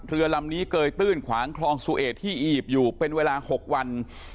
เรือลำนี้เกยตื้นขวางคลองสุเอที่อีปอยู่เป็นเวลา๖วัน